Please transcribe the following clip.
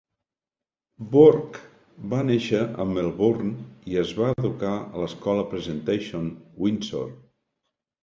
Burke va néixer a Melbourne i es va educar a l'escola Presentation, Windsor.